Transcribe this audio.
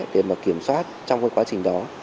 để mà kiểm soát trong cái quá trình đó